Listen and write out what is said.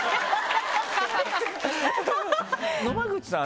野間口さん